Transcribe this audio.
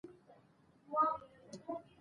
غرونه د افغان ځوانانو لپاره دلچسپي لري.